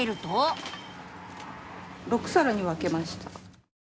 ・６さらに分けました。